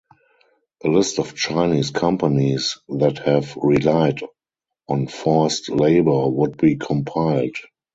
A list of Chinese companies that have relied on forced labor would be compiled.